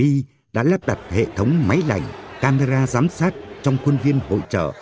huyện nam trà my đã lắp đặt hệ thống máy lạnh camera giám sát trong khuôn viên hội trợ